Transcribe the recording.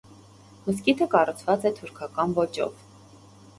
Մզկիթը կառուցված է թուրքական ոճով։